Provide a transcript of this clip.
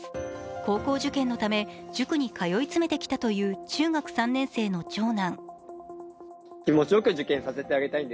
高校受験のため塾に通い詰めてきたという中学３年生の長男。